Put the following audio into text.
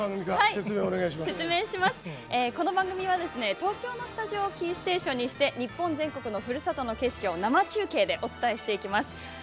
この番組は、東京のスタジオをキーステーションにして日本全国のふるさとの景色を生中継でお伝えしていきます。